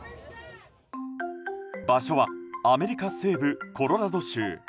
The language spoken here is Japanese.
現場はアメリカ西部コロラド州。